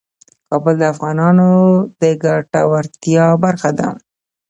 کابل د افغانانو د ګټورتیا برخه ده.